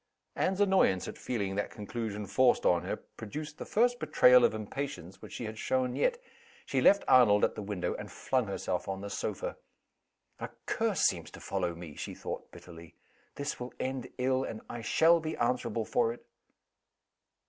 Anne's annoyance at feeling that conclusion forced on her produced the first betrayal of impatience which she had shown yet. She left Arnold at the window, and flung herself on the sofa. "A curse seems to follow me!" she thought, bitterly. "This will end ill and I shall be answerable for it!"